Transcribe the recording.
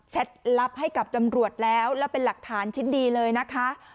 ลับให้กับตำรวจแล้วแล้วเป็นหลักฐานชิ้นดีเลยนะคะ